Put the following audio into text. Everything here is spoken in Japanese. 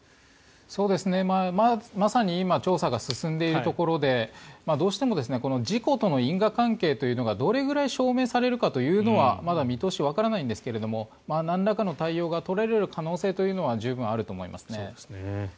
まさに今調査が進んでいるところでどうしても事故との因果関係というのがどれくらい証明されるかというのはまだ見通しはわからないんですがなんらかの対応が取られる可能性というのは十分あると思いますね。